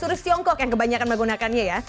seperti di tiongkok yang kebanyakan menggunakannya ya